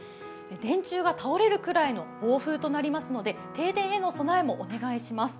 電柱が倒れるくらいの暴風となりますので、停電への備えもお願いします。